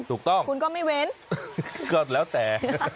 ถูกต้องคุณก็ไม่เว้นก็แล้วแต่